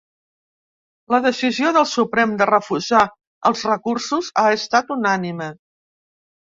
La decisió del Suprem de refusar els recursos ha estat unànime.